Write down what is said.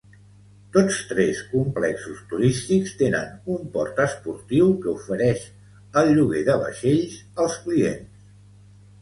Tots tres complexos turístics tenen un port esportiu que ofereix el lloguer de vaixells als clients.